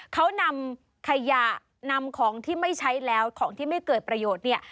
เขานำขยะนำของที่ไม่ใช้แล้วของที่ไม่เกิดประโยชน์เนี่ย